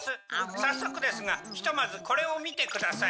早速ですがひとまずこれを見てください。